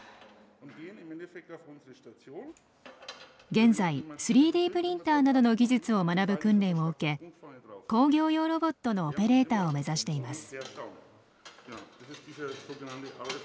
現在３Ｄプリンターなどの技術を学ぶ訓練を受け工業用ロボットのオペレーターを目指しています。